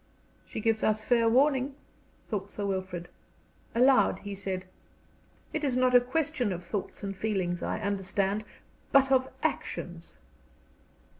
"She gives us fair warning," thought Sir Wilfrid. Aloud he said: "It is not a question of thoughts and feelings, I understand, but of actions."